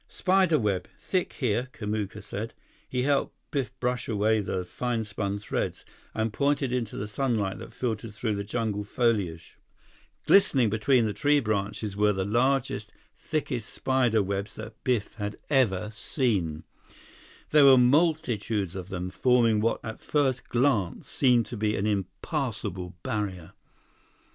"Spider web. Thick here," Kamuka said. He helped Biff brush away the fine spun threads, and pointed into the sunlight that filtered through the jungle foliage. [Illustration: Kamuka cleared the branches with hard, expert slashes] Glistening between the tree branches were the largest, thickest spider webs that Biff had ever seen. There were multitudes of them, forming what at first glance seemed an impassible barrier.